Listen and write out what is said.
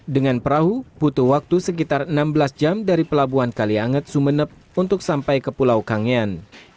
dengan perahu butuh waktu sekitar enam belas jam dari pelabuhan kalianget sumeneb untuk sampai ke pulau kangean